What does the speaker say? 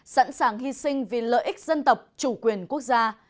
sẵn sàng hy sinh vì lợi ích dân tộc chủ quyền quốc gia